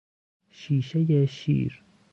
شیشه شیر